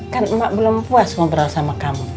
kan emak belum puas ngobrol sama kamu